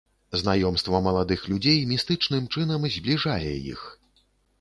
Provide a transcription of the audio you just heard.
Знаёмства маладых людзей містычным чынам збліжае іх.